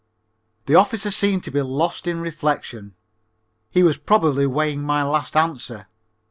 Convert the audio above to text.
The officer seemed to be lost in reflection. He was probably weighing my last answer.